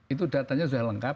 itu datanya sudah lengkap